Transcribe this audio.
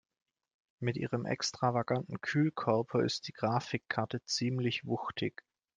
Mit ihrem extravaganten Kühlkörper ist die Grafikkarte ziemlich wuchtig.